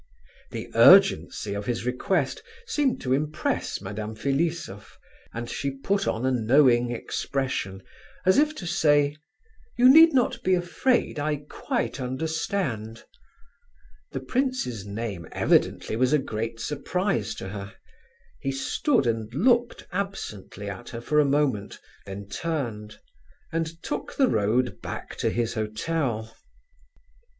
The urgency of his request seemed to impress Madame Filisoff, and she put on a knowing expression, as if to say, "You need not be afraid, I quite understand." The prince's name evidently was a great surprise to her. He stood and looked absently at her for a moment, then turned, and took the road back to his hotel.